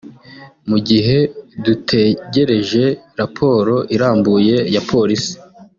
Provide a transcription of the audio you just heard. “Mu gihe dutegereje raporo irambuye ya polisi